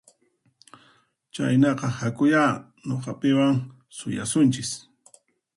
Chaynaqa hakuyá nuqapiwan suyasunchis